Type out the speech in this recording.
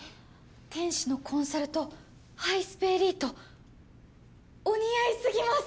天使のコンサルとハイスペエリートお似合いすぎます！